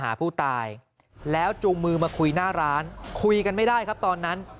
หาผู้ตายแล้วจูงมือมาคุยหน้าร้านคุยกันไม่ได้ครับตอนนั้น